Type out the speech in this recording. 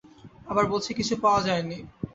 আবার বলছি, কিছু পাওয়া যায়নি।